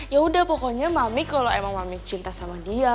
yaudah pokoknya mami kalau emang mami cinta sama dia